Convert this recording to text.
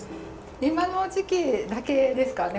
今の時期だけですからね